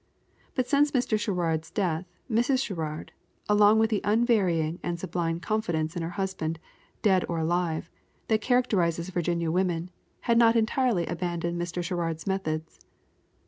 But since Mr. Sherrard's death Mrs. Sherrard, along with the unvarying and sublime confidence in her husband, dead or alive, that characterizes Virginia women, had yet entirely abandoned Mr. Sherrard's methods.